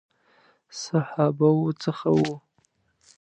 صحابه وو څخه وو.